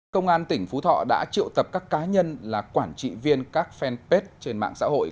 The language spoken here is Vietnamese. công an tỉnh phú thọ đã triệu tập các cá nhân là quản trị viên các fanpage trên mạng xã hội